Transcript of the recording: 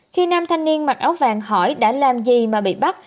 khi nam thanh niên mặc áo vàng hỏi đã làm gì mà bị bắt